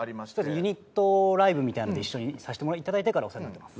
ユニットライブみたいなので一緒にさせていただいてからお世話になってます。